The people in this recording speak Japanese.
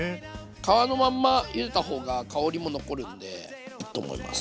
皮のまんまゆでた方が香りも残るんでいいと思います。